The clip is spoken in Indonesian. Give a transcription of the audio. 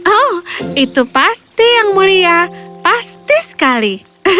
oh itu pasti yang mulia pasti sekali